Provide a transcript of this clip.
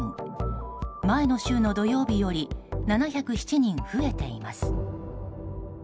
前の週の土曜日より７０７人増えています。